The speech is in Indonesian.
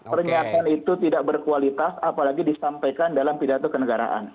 pernyataan itu tidak berkualitas apalagi disampaikan dalam pidato kenegaraan